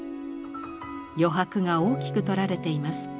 余白が大きく取られています。